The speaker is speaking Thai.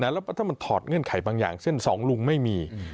แล้วถ้ามันถอดเงื่อนไขบางอย่างเช่นสองลุงไม่มี